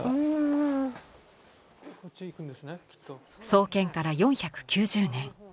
創建から４９０年